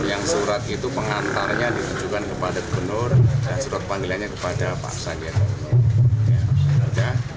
yang surat itu pengantarnya ditujukan kepada gubernur dan surat panggilannya kepada pak sandiaga